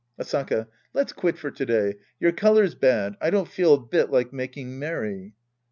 Asaka. Let's quit for to day. Your color's bad. I don't feel a bit like making merry.